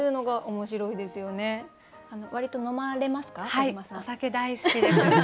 はいお酒大好きです。